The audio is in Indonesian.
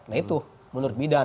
nah itu menurut bidan